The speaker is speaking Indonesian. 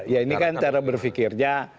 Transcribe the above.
ya ini kan cara berpikirnya